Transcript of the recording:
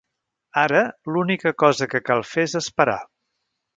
Ara l'única cosa que cal fer és esperar.